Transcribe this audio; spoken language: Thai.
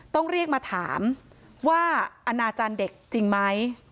ต้องเรียกมาถามว่าอนาจารย์เด็กจริงไหม